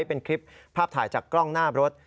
เป็นคลิปภาพถ่ายจากกล้องหน้ารถ